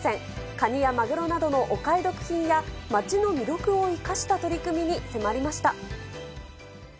カニやマグロなどのお買い得品や、町の魅力を生かした取り組みに迫りました。